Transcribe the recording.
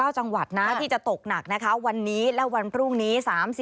จังหวัดนะที่จะตกหนักนะคะวันนี้และวันพรุ่งนี้